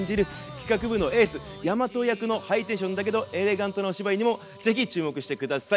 企画部のエース大和役のハイテンションだけどエレガントなお芝居にも是非注目して下さい。